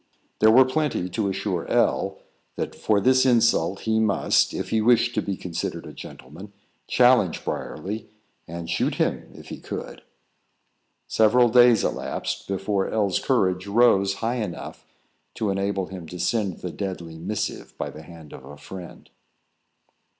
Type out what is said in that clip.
There were plenty to assure L that for this insult he must, if he wished to be considered a gentleman, challenge Briarly, and shoot him if he could. Several days elapsed before L 's courage rose high enough to enable him to send the deadly missive by the hand of a friend.